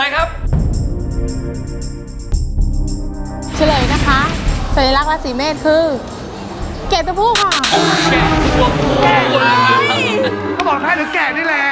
ก็คือแกะตัวผูน